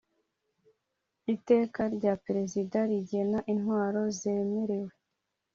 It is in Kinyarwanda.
Iteka rya Perezida rigena intwaro zemerewe